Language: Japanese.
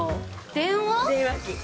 電話機。